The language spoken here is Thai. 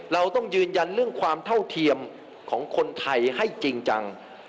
เราต้องยืนยันเรื่องความเท่าเทียมของคนไทยให้จริงจัง